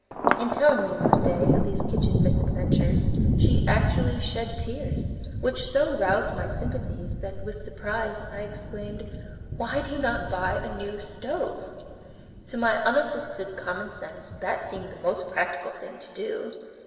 In telling me, one day, of these kitchen misadventures, she actually shed tears, which so roused my sympathies that, with surprise, I exclaimed: "Why do you not buy a new stove?" To my unassisted common sense that seemed the most practical thing to do.